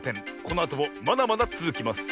このあともまだまだつづきます。